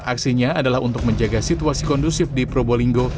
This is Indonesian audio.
aksinya adalah untuk menjaga situasi kondusif di probolinggo